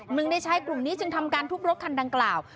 หนึ่งในชายกลุ่มนี้จึงทำการทุบรถคันดังกล่าว